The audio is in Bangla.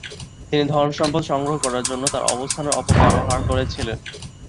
তিনি ধনসম্পদ সংগ্রহ করার জন্য তার অবস্থানের অপব্যবহার করেছিলেন।